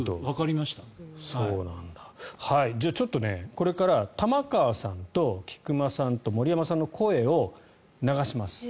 じゃあ、これから玉川さんと菊間さんと森山さんの声を流します。